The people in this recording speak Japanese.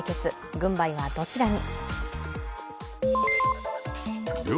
軍配はどちらに？